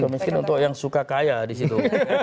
miskin untuk yang suka kaya disitu